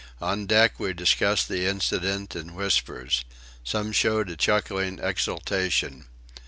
On deck we discussed the incident in whispers. Some showed a chuckling exultation.